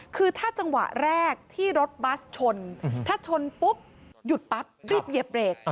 คือถ้าจังหวะแรกที่รถบัสชนถ้าชนปุ๊บหยุดปั๊บรีบเหยียบเบรก